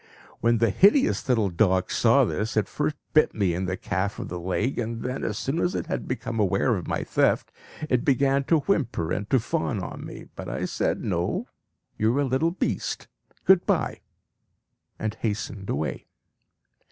When the hideous little dog saw this, it first bit me in the calf of the leg, and then, as soon as it had become aware of my theft, it began to whimper and to fawn on me; but I said, "No, you little beast; good bye!" and hastened away.